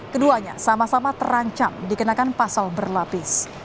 keduanya sama sama terancam dikenakan pasal berlapis